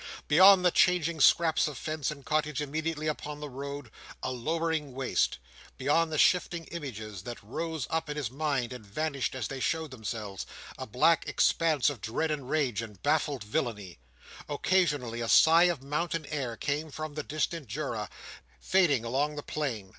Beyond the changing scraps of fence and cottage immediately upon the road, a lowering waste. Beyond the shifting images that rose up in his mind and vanished as they showed themselves, a black expanse of dread and rage and baffled villainy. Occasionally, a sigh of mountain air came from the distant Jura, fading along the plain.